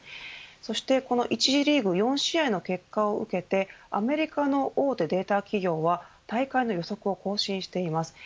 そしてこの１次リーグ４試合の結果を受けてアメリカの大手データ企業は大会の予測を更新しています。